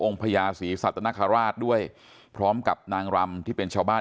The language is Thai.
องค์พระยาสีสัตว์นครราชด้วยพร้อมกับนางรำที่เป็นชาวบ้าน